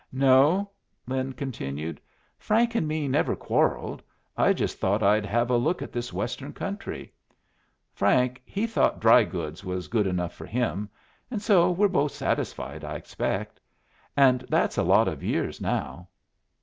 "No," Lin continued, "Frank and me never quarrelled. I just thought I'd have a look at this Western country. Frank, he thought dry goods was good enough for him, and so we're both satisfied, I expect. And that's a lot of years now.